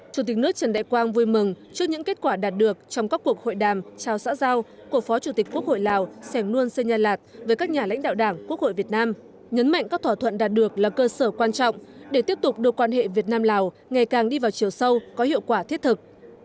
chủ tịch nước trần đại quang vui mừng trước những kết quả đạt được trong các cuộc hội đàm trao xã giao của phó chủ tịch quốc hội lào sẻng luân sơn nha lạt với các nhà lãnh đạo đảng quốc hội việt nam nhấn mạnh các thỏa thuận đạt được là cơ sở quan trọng để tiếp tục đưa quan hệ việt nam lào ngày càng đi vào chiều sâu có hiệu quả thiết thực